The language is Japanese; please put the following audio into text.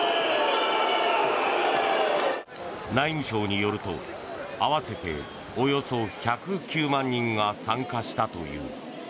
内務省によると合わせておよそ１０９万人が参加したという。